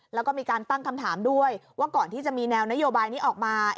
แล้วก็มีการตั้งคำถามด้วยว่าก่อนที่จะมีแนวนโยบายนี้ออกมา